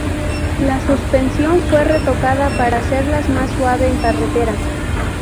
La suspensión fue retocada para hacerla más suave en carretera.